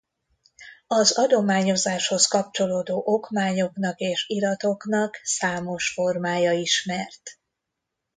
Az adományozáshoz kapcsolódó okmányoknak és iratoknak számos formája ismert.